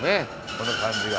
この感じが。